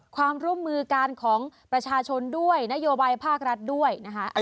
ความร่วมมือการของประชาชนด้วยนโยบายภาครัฐด้วยนะคะ